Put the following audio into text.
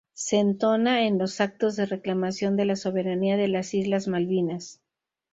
Se entona en los actos de reclamación de la soberanía de las islas Malvinas.